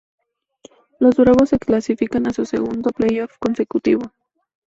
Los Bravos se clasifican a su segundo Play Off consecutivo.